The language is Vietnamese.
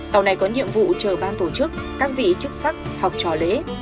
tàu này có nhiệm vụ chờ ban tổ chức các vị chức sắc học trò lễ